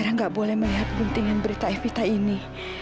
briana gak boleh melihat guntingan berita evita ini